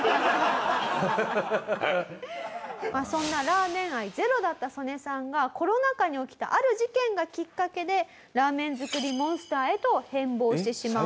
そんなラーメン愛ゼロだったソネさんがコロナ禍に起きたある事件がきっかけでラーメン作りモンスターへと変貌してしまうんです。